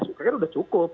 saya pikir sudah cukup